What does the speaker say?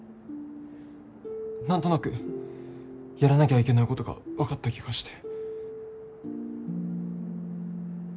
何となくやらなきゃいけないことが分かった気がして。